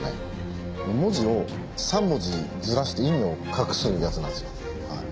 文字を３文字ずらして意味を隠すやつなんですよはい。